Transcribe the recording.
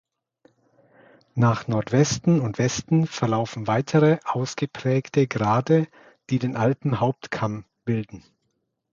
Nach Nordwesten und Westen verlaufen weitere ausgeprägte Grate, die den Alpenhauptkamm bilden.